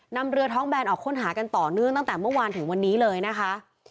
นำเรือท้องแบนออกค้นหากันต่อเนื่องตั้งแต่เมื่อวานถึงวันนี้เลยนะคะ